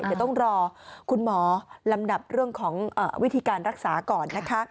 เดี๋ยวต้องรอคุณหมอลำดับเรื่องของวิธีการรักษาก่อนนะคะ